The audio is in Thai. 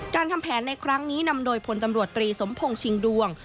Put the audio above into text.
การทำแผนในครั้งนี้นำโดยพลตำรวจตรีสมพงศ์ชิงดวง